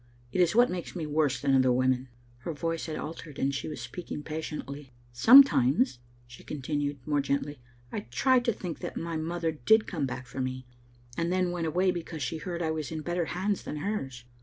It is what makes me worse than other women." Her voice had altered, and she was speaking passion ately. "Sometimes," she continued, more gently, "I try to think that my mother did come back for me, and then went away because she heard I was in better hands than hers.